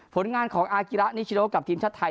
ผลงานของอากิระนิชโนกับทีมชาติไทย